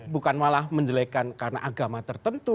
bukan malah menjelekan karena agama tertentu